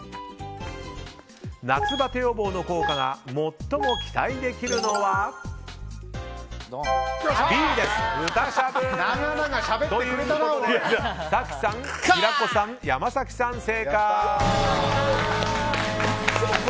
夏バテ予防の効果が最も期待できるのはＢの豚しゃぶです。ということで、早紀さん平子さん、山崎さん正解。